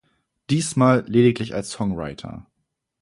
Diesmal lediglich als Songwriter.